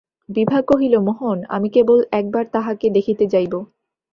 বিভা কহিল, মোহন, আমি কেবল একবার তাঁহাকে দেখিতে যাইব।